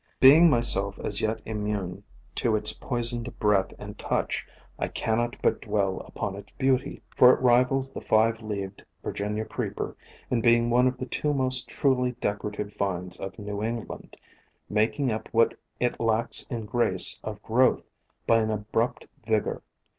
Being myself as yet immune to its poisoned breath and touch, I cannot but dwell upon its beauty, for it rivals the five leaved Vir POISONOUS PLANTS 163 ginia Creeper in being one of the two most truly decorative vines of New England, making up what it lacks in grace of growth by an abrupt vigor.